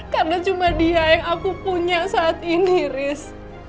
karena cuma dia yang aku punya saat ini riz